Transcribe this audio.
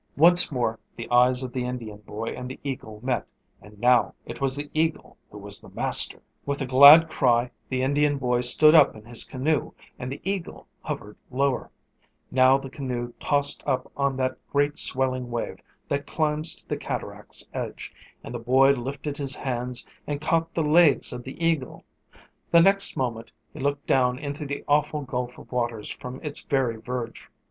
Once more the eyes of the Indian boy and the eagle met; and now it was the eagle who was master! [Illustration: "HE AND THE STRUGGLING EAGLE WERE FLOATING OUTWARD AND DOWNWARD"] With a glad cry the Indian boy stood up in his canoe, and the eagle hovered lower. Now the canoe tossed up on that great swelling wave that climbs to the cataract's edge, and the boy lifted his hands and caught the legs of the eagle. The next moment he looked down into the awful gulf of waters from its very verge.